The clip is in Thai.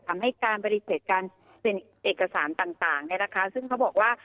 ทำให้การปฏิเสธการเซ็นเอกสารต่างเนี่ยนะคะซึ่งเขาบอกว่า